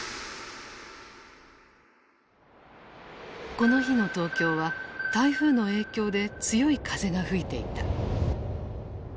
この日の東京は台風の影響で強い風が吹いていた。